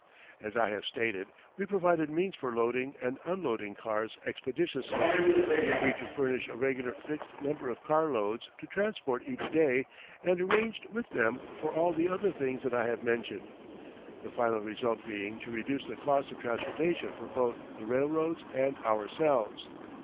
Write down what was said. As I have stated we provided means for loading and unloading cars expeditiously, agreed to furnish a regular fixed number of car loads to transport each day, and arranged with them for all the other things that I have mentioned, the final result being to reduce the cost of transportation for both the railroads and ourselves.